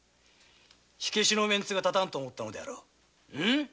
火消しのメンツが立たんと思ったのであろう。